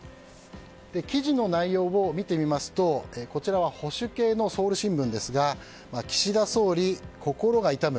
記事の内容を見てみますとこちらは保守系のソウル新聞ですが岸田総理、心が痛む。